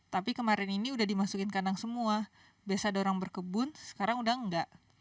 tapi kemarin ini udah dimasukin kandang semua biasa ada orang berkebun sekarang udah enggak